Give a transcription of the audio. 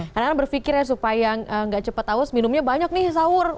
karena berpikirnya supaya nggak cepat awas minumnya banyak nih sahur